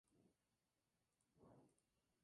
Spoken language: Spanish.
Está Localizada en el extremo sureste del concelho.